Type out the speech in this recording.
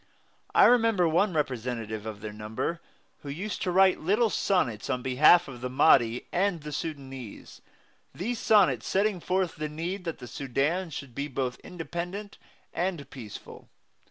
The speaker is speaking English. I remember one representative of their number, who used to write little sonnets on behalf of the Mahdi and the Sudanese, these sonnets setting forth the need that the Sudan should be both independent and peaceful.